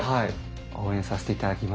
応援させて頂きます。